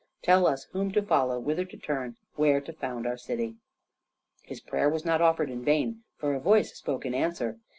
Tell us whom to follow, whither to turn, where to found our city." His prayer was not offered in vain, for a voice spoke in answer.